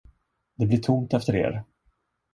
Det blir tomt efter er.